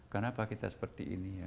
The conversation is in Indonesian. kenapa kita seperti ini ya